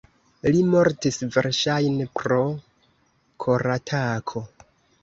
Li mortis verŝajne pro koratako.